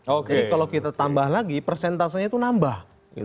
jadi kalau kita tambah lagi persentasenya itu nambah